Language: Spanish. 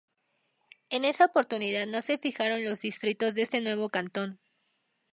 En esa oportunidad no se fijaron los distritos de este nuevo cantón.